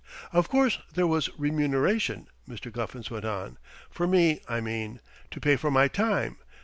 "Of course there was remuneration," Mr. Guffins went on. "For me, I mean. To pay for my time.